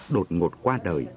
đột ngột qua đời